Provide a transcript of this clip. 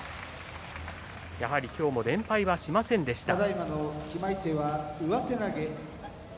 やはり今日も連敗はしませんでした。